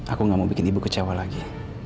aku gak mau bikin ibu kecewa lagi